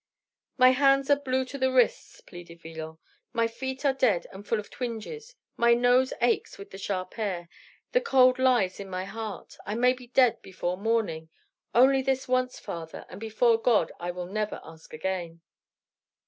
"My hands are blue to the wrists," pleaded Villon; "my feet are dead and full of twinges; my nose aches with the sharp air; the cold lies at my heart. I may be dead before morning. Only this once, father, and before God I will never ask again."